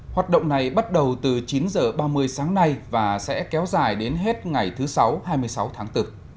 hoạt động này bắt đầu từ chín h ba mươi sáng nay và sẽ kéo dài đến hết ngày thứ sáu hai mươi sáu tháng bốn